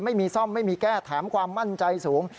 ไม่มีซ่อมไม่มีแก้แถมความมั่นใจสูง